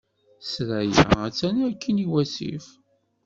Ssṛaya attan akkin iwasif.